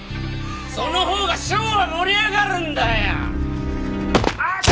その方がショーは盛り上がるんだよあっ！